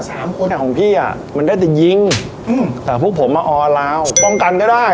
สามคนอ่ะของพี่อ่ะมันได้แต่ยิงอืมแต่พวกผมมาออลาวป้องกันก็ได้